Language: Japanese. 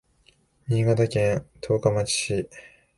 新潟県十日町市